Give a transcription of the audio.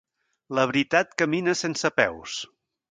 La veritat camina sense peus.